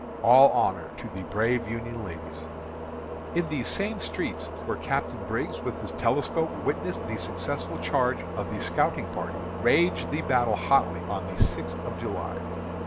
All honor to the brave Union ladies." In these same streets, where Captain Briggs with his telescope witnessed the successful charge of the scouting party, raged the battle hotly on the sixth of July.